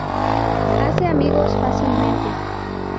Hace amigos fácilmente.